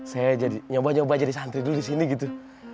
saya jadi nyoba nyoba jadi santri dulu disini gitu